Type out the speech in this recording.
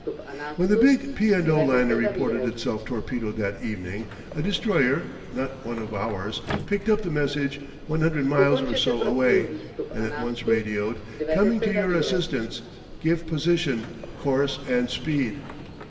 When the big P. & O. liner reported herself torpedoed that evening, a destroyer not one of ours picked up the message 100 miles or so away; and at once radioed: COMING TO YOUR ASSISTANCE GIVE POSITION, COURSE, AND SPEED.